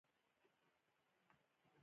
ډګروال سمیت دې سمدستي قومانده واخلي.